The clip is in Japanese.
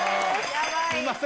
やばい。